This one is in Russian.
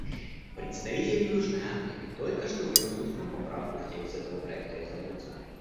Представитель Южной Африки только что внес устную поправку в текст этого проекта резолюции.